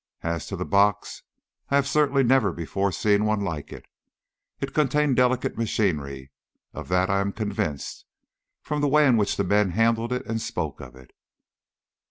As to the box, I have certainly never before seen one like it. It contained delicate machinery; of that I am convinced, from the way in which the men handled it and spoke of it."